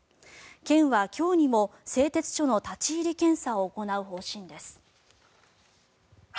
県は今日にも製鉄所の立ち入り検査を行う方針です。